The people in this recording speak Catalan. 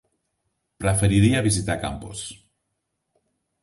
Preferiria visitar Campos.